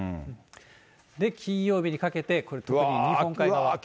で、金曜日にかけて、特に日本海側。